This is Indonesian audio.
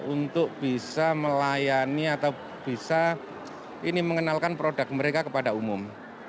untuk bisa melayani atau bisa mengenalkan produk mereka kepada umum